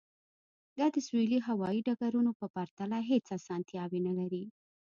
دا د سویلي هوایی ډګرونو په پرتله هیڅ اسانتیاوې نلري